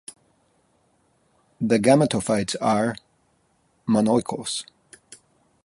The gametophytes are monoicous.